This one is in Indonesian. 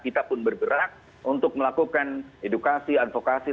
kita pun bergerak untuk melakukan edukasi advokasi